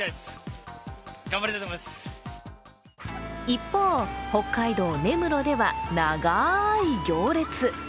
一方、北海道・根室では長い行列。